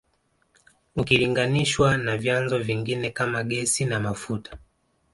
Ukilinganishwa na vyanzo vingine kama gesi na mafuta